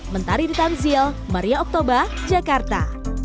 menteri di tanzil maria oktober jakarta